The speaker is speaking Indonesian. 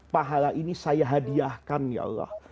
pahala ini saya hadiahkan ya allah